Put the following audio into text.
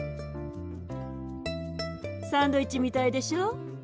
サンドイッチみたいでしょ？